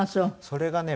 それがね